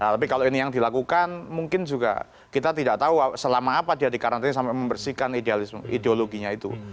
tapi kalau ini yang dilakukan mungkin juga kita tidak tahu selama apa dia dikarantina sampai membersihkan ideologinya itu